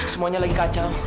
semuanya lagi kacau